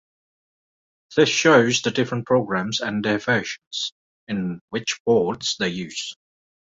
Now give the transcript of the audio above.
This shows the different programs and their versions, and which ports they use.